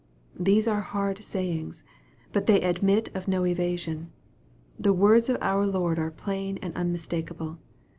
These are hard sayings, but they admit of no evasion. The words of our Lord arc plain and unmistakeable.